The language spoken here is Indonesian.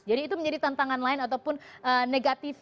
jadi itu menjadi tantangan lain ataupun negatif